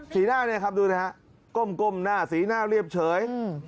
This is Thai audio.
หน้าเนี่ยครับดูนะฮะก้มหน้าสีหน้าเรียบเฉย